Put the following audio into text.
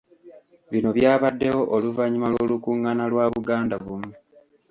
Bino byabaddewo oluvanyuma lw’olukungana lwa Bugandabumu.